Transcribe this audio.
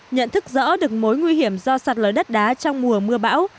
nhận thức rõ được mối nguy hiểm do sạt lở đất đá trong mùa mưa bão